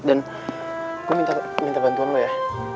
dan gue minta bantuan lo ya